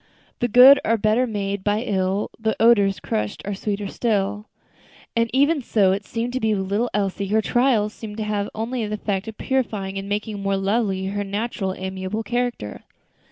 "The good are better made by ill, As odors crushed are sweeter still;" And even so it seemed to be with little Elsie; her trials seemed to have only the effect of purifying and making more lovely her naturally amiable character.